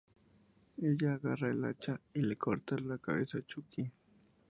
Ella agarra el hacha y le corta la cabeza a Chucky.